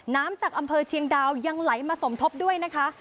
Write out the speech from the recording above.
น้ำจากอำเภอเชียงดาวยังไหลมาสมทบด้วยนะคะ